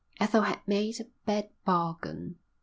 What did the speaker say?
Ethel had made a bad bargain.